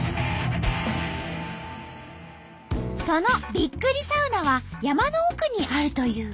そのびっくりサウナは山の奥にあるという。